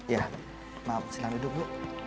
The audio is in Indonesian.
ya maaf selamat tidur bu